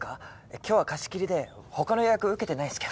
今日は貸し切りでほかの予約受けてないっすけど。